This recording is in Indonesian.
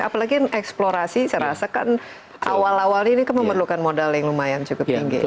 apalagi eksplorasi saya rasa kan awal awalnya ini kan memerlukan modal yang lumayan cukup tinggi